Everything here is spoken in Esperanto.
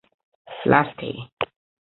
Laste.